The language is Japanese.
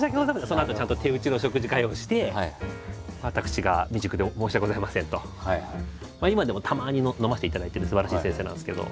そのあとちゃんと手打ちの食事会をして今でもたまに飲ませていただいてるすばらしい先生なんですけど。